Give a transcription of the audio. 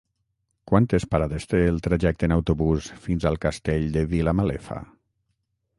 Quantes parades té el trajecte en autobús fins al Castell de Vilamalefa?